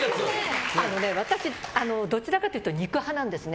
私、どちらかというと肉派なんですね。